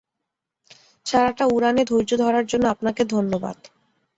সারাটা উড়ানে ধৈর্য ধরার জন্য আপনাকে ধন্যবাদ।